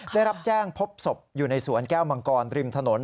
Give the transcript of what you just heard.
ได้รับแจ้งพบศพอยู่ในสวนแก้วมังกรริมถนน